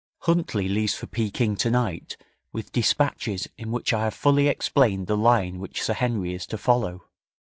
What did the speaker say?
Huntley leaves for Pekin tonight with despatches in which I have fully explained the line which Sir Henry is to follow.